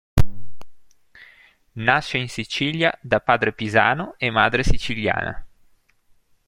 Nasce in Sicilia da padre pisano e madre siciliana.